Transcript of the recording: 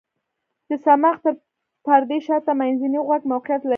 د صماخ تر پردې شاته منځنی غوږ موقعیت لري.